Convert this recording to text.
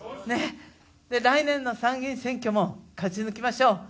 来年の参議院選挙も勝ち抜きましょう。